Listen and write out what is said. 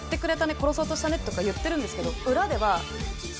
「殺そうとしたね」とか言ってるんですけど裏では。